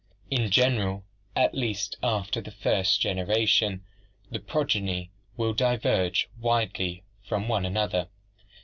"In general, at least after the first genera tion, the progeny will diverge widely from one another.